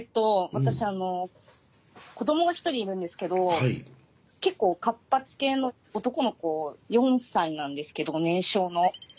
私あの子どもが１人いるんですけど結構活発系の男の子４歳なんですけど年少の。